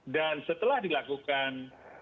dan setelah dilakukan